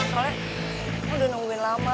soalnya udah nungguin lama